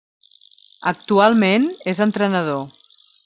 Actualment és entrenador.